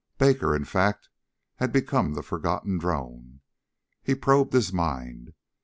Baker, in fact, had become the forgotten drone. He probed his mind.